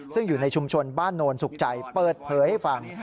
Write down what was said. ซึ่งอยู่ในชุมชนบ้านโนนสุขใจเปิดเผยให้ฟัง